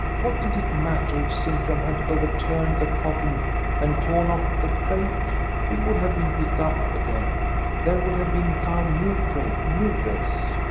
What did it matter if Sintram had overturned the coffin and torn off the crape? It would have been picked up again ; there would have been found new crape, new wreaths.